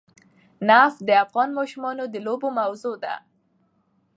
نفت د افغان ماشومانو د لوبو موضوع ده.